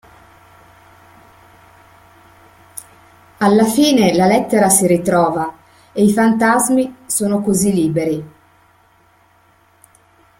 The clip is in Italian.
Alla fine la lettera si ritrova e i fantasmi sono così liberi.